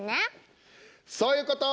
そういうこと！